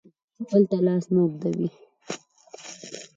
بل ته لاس نه اوږدوي.